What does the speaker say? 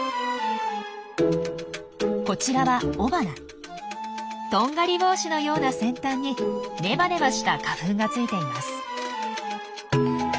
こちらはとんがり帽子のような先端にネバネバした花粉がついています。